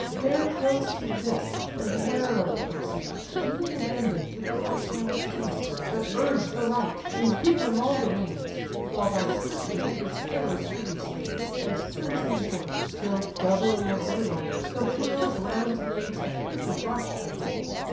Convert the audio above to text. Bear close to this, and warily proceed, A little bending to the left hand steed; But urge the right, and give him all the reins; While thy strict hand his fellow's head restrains, And turns him short; till, doubling as they roll, The wheel's round naves appear to brush the goal.